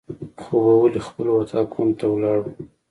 خوبولي خپلو اطاقونو ته ولاړو.